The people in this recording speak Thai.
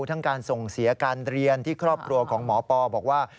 ทั้งการส่งเสียการเรียนที่ครอบครัวของหมอปอบอกว่า